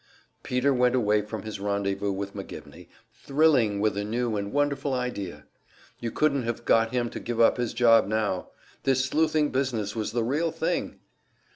Peter went away from his rendezvous with McGivney, thrilling with a new and wonderful idea. You couldn't have got him to give up his job now. This sleuthing business was the real thing!